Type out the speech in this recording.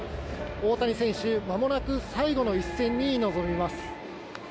大谷選手、間もなく最後の一戦に臨みます。